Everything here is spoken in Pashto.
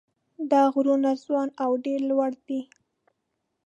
دا غرونه ځوان او ډېر لوړ دي.